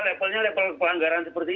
levelnya level pelanggaran seperti ini